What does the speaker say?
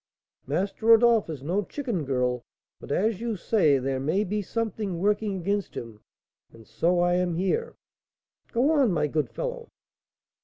"Master Rodolph is no chicken, girl; but as you say, there may be something working against him, and so I am here." "Go on, my good fellow."